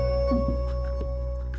sedikit maksimal sebenarnya